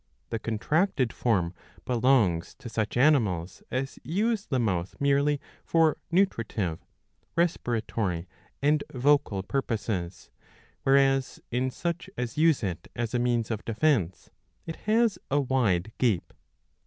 The contracted form belongs to such animals as use the mouth merely for nutritive, respiratory, and vocal purposes ; whereas in such as use it as a means of defence it has a wide gape.